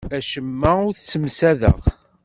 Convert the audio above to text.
Acemma ur t-ssemsadeɣ.